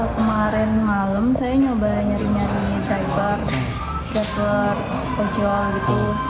kemarin malam saya nyoba nyari nyari driver driver ojol gitu